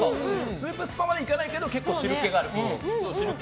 スープスパまではいかないけど結構、汁気があると。